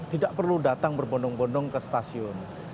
tidak perlu datang berbondong bondong ke stasiun